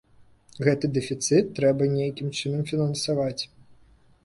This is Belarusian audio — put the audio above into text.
Гэты дэфіцыт трэба нейкім чынам фінансаваць.